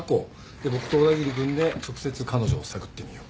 で僕と小田切君で直接彼女を探ってみよう。